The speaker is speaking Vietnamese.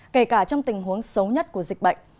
kể cả trong tình huống xấu nhất của dịch bệnh